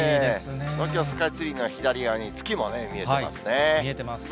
東京スカイツリーの左側に月もね、見えてますね。